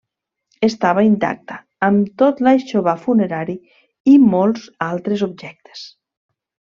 Estava intacta, amb tot l'aixovar funerari i molts altres objectes.